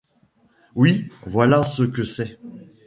Oui, voilà ce que c’est !